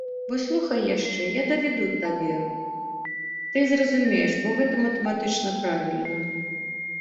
Вось слухай яшчэ, я давяду табе, ты зразумееш, бо гэта матэматычна правільна.